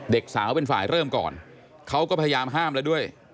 เด็กสาวเป็นฝ่ายเริ่มก่อนเขาก็พยายามห้ามแล้วด้วย